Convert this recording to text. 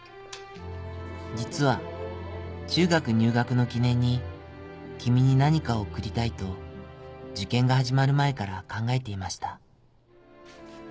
実は中学入学の記念に君に何か贈りたいと受験が始まる前から考えていました。